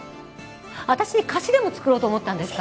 私に貸しでも作ろうと思ったんですか？